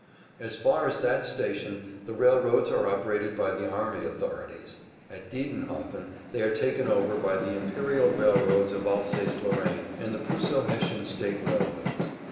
As far as that station the railroads are operated by the army authorities. At Diedenhofen they are taken over by the Imperial Railroads of Alsace Lorraine and the Prusso Hessian State Railroads.